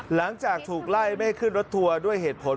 หลังจากถูกไล่ไม่ให้ขึ้นรถทัวร์ด้วยเหตุผล